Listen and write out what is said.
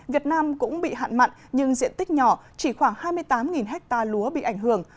việt nam cũng bị hạn mặn nhưng diện tích nhỏ chỉ khoảng hai mươi tám ha lúa bị ảnh hưởng